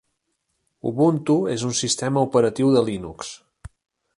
Ubuntu és un sistema operatiu de Linux.